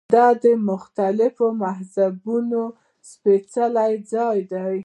د مختلفو مذهبونو سپېڅلي ځایونه.